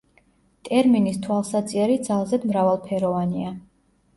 ტერმინის თვალსაწიერი ძალზედ მრავალფეროვანია.